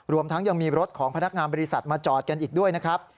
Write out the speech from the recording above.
รวมทั้งยังมีรถของพนักงานบริษัทมาจอดกันอีกด้วยนะครับ